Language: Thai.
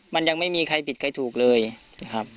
มันยังไม่มีใครผิดใครถูกเลยนะครับ